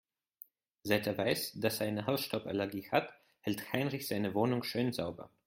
Seit er weiß, dass er eine Hausstauballergie hat, hält Heinrich seine Wohnung schön sauber.